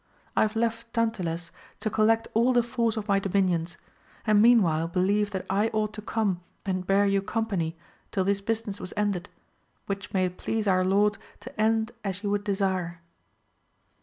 I have left Tantiles to collect all the force of my dominions, and meanwhile believe that I ought to come and bear you company till this business was ended, which may it please our Lord to end as you would desire.